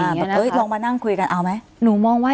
อเรนนี่มีขอบคุณเอ๋ยนุ้นมองกัน